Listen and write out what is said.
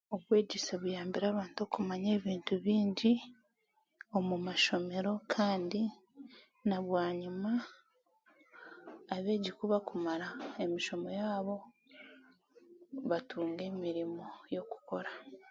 Obwegyeese buyambire abantu okumanya ebintu beingi omu mashomero kandi n'abwanyima abeegi kubakumara emishomo yaabo batunga emirimo y'okukora.